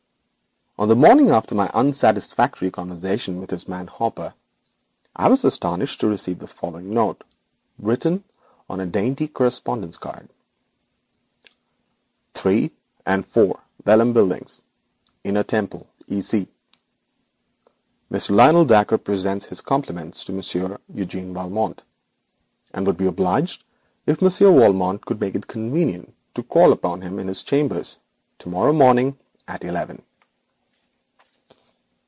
On the morning after my unsatisfactory conversation with his man Hopper, I was astonished to receive the following note, written on a dainty correspondence card: '3 and 4 Vellum Buildings, 'Inner Temple, E.C. 'Mr. Lionel Dacre presents his compliments to Monsieur Eugène Valmont, and would be obliged if Monsieur Valmont could make it convenient to call upon him in his chambers tomorrow morning at eleven.'